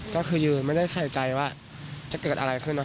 ก็คือยืนไม่ได้ใส่ใจว่าจะเกิดอะไรขึ้น